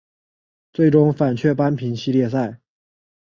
最终红雀扳平系列赛。